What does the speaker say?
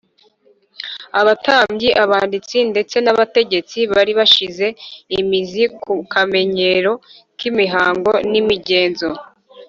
abatambyi, abanditsi ndetse n’abategetsi bari bashinze imizi mu kamenyero k’imihango n’imigenzo